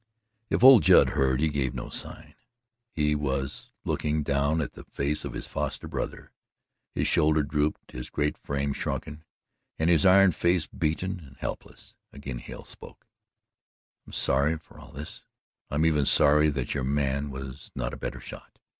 If old Judd heard, he gave no sign. He was looking down at the face of his foster brother his shoulder drooped, his great frame shrunken, and his iron face beaten and helpless. Again Hale spoke: "I'm sorry for all this. I'm even sorry that your man was not a better shot."